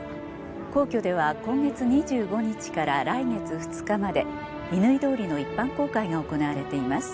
皇居では今月２５日から来月２日まで乾通りの一般公開が行われています。